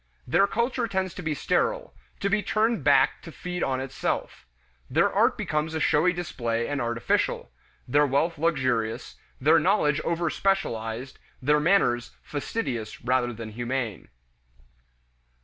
Their culture tends to be sterile, to be turned back to feed on itself; their art becomes a showy display and artificial; their wealth luxurious; their knowledge overspecialized; their manners fastidious rather than humane.